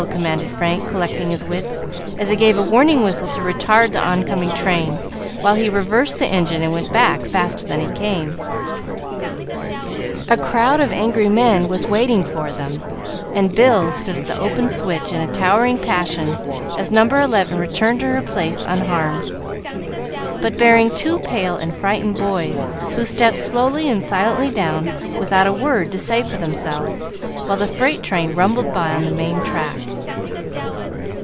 commanded Frank, collecting his wits, as he gave a warning whistle to retard the on coming train, while he reversed the engine and went back faster than he came. A crowd of angry men was waiting for them, and Bill stood at the open switch in a towering passion as No. 11 returned to her place unharmed, but bearing two pale and frightened boys, who stepped slowly and silently down, without a word to say for themselves, while the freight train rumbled by on the main track.